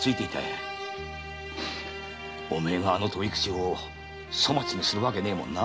お前があの鳶口を粗末にするわけねえもんな。